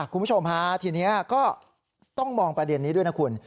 คุณผู้ชมฮะทีนี้ก็ต้องมองประเด็นนี้ด้วยนะคุณ